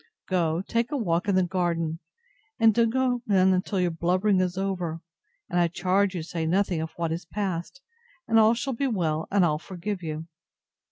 Go, take a walk in the garden, and don't go in till your blubbering is over: and I charge you say nothing of what is past, and all shall be well, and I'll forgive you.